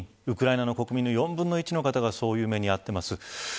ウクライナの国民の４分の１の方がそういう目にあっています。